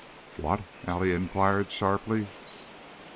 "What?" Allie inquired, sharply.